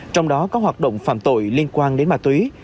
trong đó có hoạt động phạm tội liên quan đến ma túy